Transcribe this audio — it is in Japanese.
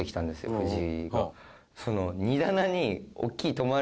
藤井が。